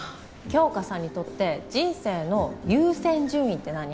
杏花さんにとって人生の優先順位って何？